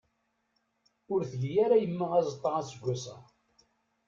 Ur tgir ara yemma azeṭṭa, aseggas-a.